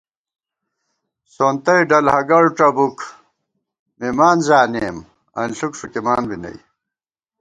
سونتَئ ڈل ہگَڑ ڄَبُک مِمان زانِیم انݪُک ݭُکِمان بی نئ